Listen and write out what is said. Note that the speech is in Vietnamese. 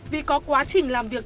vì có quá trình làm việc